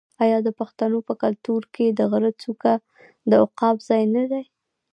آیا د پښتنو په کلتور کې د غره څوکه د عقاب ځای نه دی؟